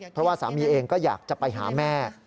เพราะว่าสามีเองก็อยากจะไปหาแม่